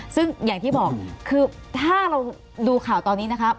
ซึ่งอย่างที่บอกคือถ้าเราดูข่าวตอนนี้นะครับ